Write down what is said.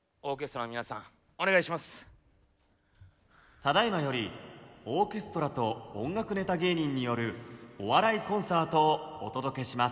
「ただいまよりオーケストラと音楽ネタ芸人によるお笑いコンサートをお届けします」。